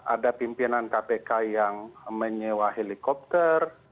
ada pimpinan kpk yang menyewa helikopter